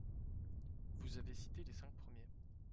Vous avez cité les cinq premiers